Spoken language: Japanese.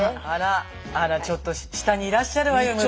あらちょっと下にいらっしゃるわよ